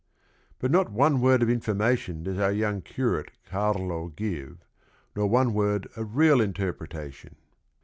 But not one word of information does our young curate Carlo give nor one word of real interpretation.